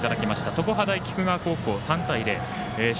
常葉大菊川に３対０。